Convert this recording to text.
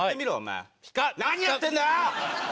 何やってんだよ！